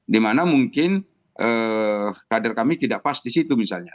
dimana mungkin kader kami tidak pas di situ misalnya